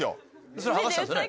それ剥がしたんですよね？